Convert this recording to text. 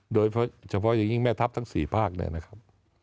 โดยเฉพาะอย่างนี้แม่ทัพทั้งสี่ภาคนี่นะครับ